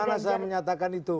lah saya gak pernah menyatakan itu